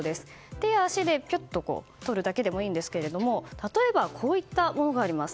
手や足でとるだけでもいいんですが例えばこういったものがあります。